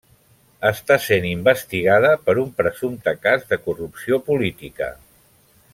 Està sent investigada per un presumpte cas de corrupció política.